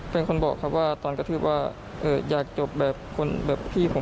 เป็นคนบอกครับว่าตอนกระทืบว่าอยากจบแบบคนแบบพี่ผม